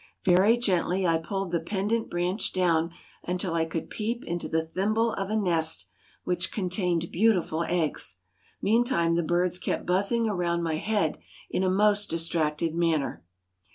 Very gently I pulled the pendent branch down until I could peep into the thimble of a nest, which contained beautiful eggs. Meantime the birds kept buzzing around my head in a most distracted manner.